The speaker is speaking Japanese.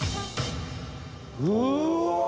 うわ！